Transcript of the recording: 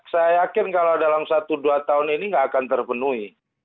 saya yakin kalau dalam satu dua tahun ini tidak akan terpenuhi